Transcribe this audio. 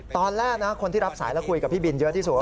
ตอนแรกนะคนที่รับสายแล้วคุยกับพี่บินเยอะที่สุด